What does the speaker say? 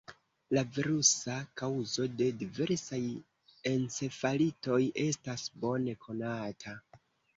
La virusa kaŭzo de diversaj encefalitoj estas bone konata.